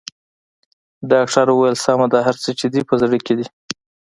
ډاکټر وويل سمه ده هر څه چې دې په زړه کې دي.